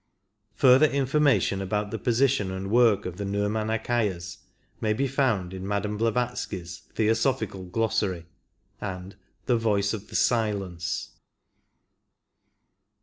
Further information about the position and work of the Nirminakayas may be found in Madame Blavatsky's Theosophical Glossary and The Voice of the Silence.